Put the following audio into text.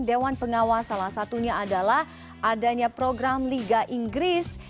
dewan pengawas salah satunya adalah adanya program liga inggris